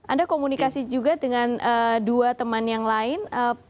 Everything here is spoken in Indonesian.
ada komunikasi juga dengan dua teman yang lain